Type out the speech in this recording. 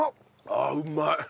ああうまい！